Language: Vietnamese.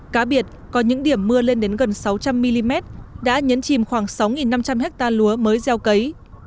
cá biệt có những điểm mưa lên đến gần sáu trăm linh mm đã nhấn chìm khoảng sáu năm trăm linh hectare lúa mới gieo cấy